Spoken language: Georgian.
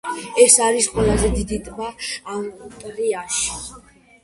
ეს არის ყველაზე დიდი ტბა ავსტრიაში.